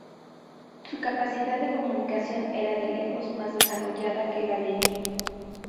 Su capacidad de comunicación era de lejos más desarrollada que la de Nim.